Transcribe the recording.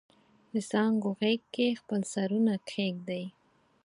دڅانګو غیږ کې خپل سرونه کښیږدي